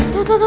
tuh tuh tuh